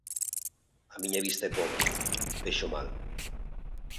A miña vista é pobre, vexo mal.